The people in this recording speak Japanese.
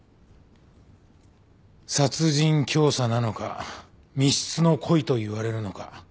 殺人教唆なのか未必の故意といわれるのか。